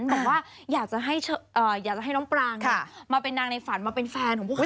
บอกว่าอยากจะให้น้องปรางมาเป็นนางในฝันมาเป็นแฟนของพวกเขา